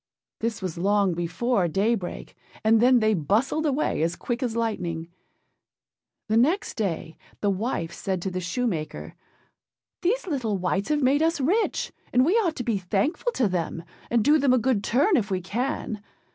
This was long before daybreak; and then they bustled away as quick as lightning. The next day the wife said to the shoemaker. âThese little wights have made us rich, and we ought to be thankful to them, and do them a good turn if we can.